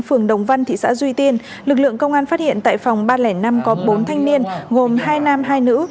phường đồng văn thị xã duy tiên lực lượng công an phát hiện tại phòng ba trăm linh năm có bốn thanh niên gồm hai nam hai nữ